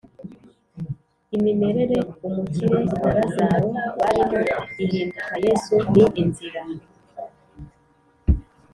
Imimerere umukire na Lazaro barimo ihinduka Yesu ni inzira